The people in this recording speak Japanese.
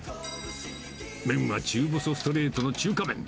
麺は中細ストレートの中華麺。